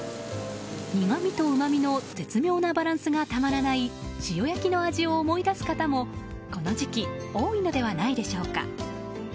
苦みとうまみの絶妙なバランスがたまらない塩焼きの味を思い出す方もこの時期多いのではないでしょうか。